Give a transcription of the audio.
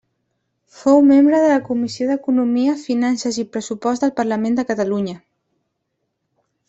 Fou membre de la comissió d'Economia, Finances i Pressupost del Parlament de Catalunya.